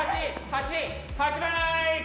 ８！８！８枚！